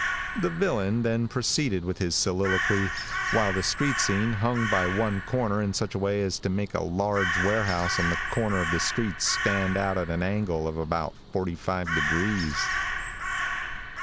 The villain then proceeded with his soliloquy, while the street scene hung by one corner in such a way as to make a large warehouse on the corner of the street stand at an angle of about forty five degrees.